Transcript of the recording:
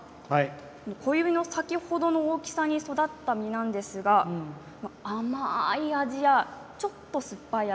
小指の先ほどの大きさに育った実なんですが甘い味や、ちょっと酸っぱい味。